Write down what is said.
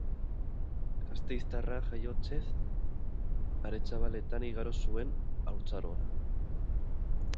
Gasteiztarra jaiotzez, Aretxabaletan igaro zuen haurtzaroa.